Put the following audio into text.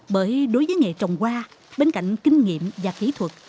bởi đối với nghề trồng hoa bên cạnh kinh nghiệm và kỹ thuật